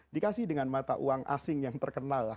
dikasih dengan mata uang asing yang terkenal